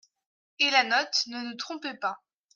Et la note ne nous trompait pas.